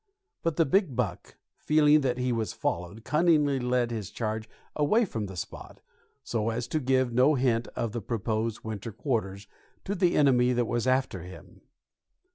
But the big buck, feeling that he was followed, cunningly led his charge away from the spot, so as to give no hint of the proposed winter quarters to the enemy that was after him.